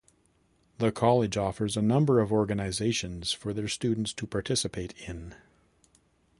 The college offers a number of organizations for their students to participate in.